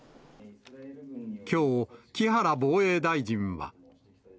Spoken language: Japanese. きょう、木原防衛大臣は。